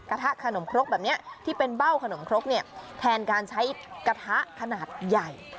กระทะขนมครกแบบนี้ที่เป็นเบ้าขนมครกเนี่ยแทนการใช้กระทะขนาดใหญ่